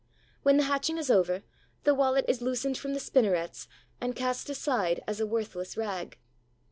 When the hatching is over, the wallet is loosened from the spinnerets and cast aside as a worthless rag.